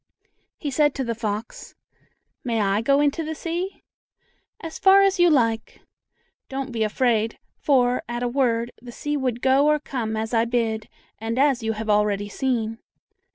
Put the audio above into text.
He said to the fox, "May I go into the sea?" "As far as you like. Don't be afraid, for, at a word, the sea would go or come as I bid, and as you have already seen."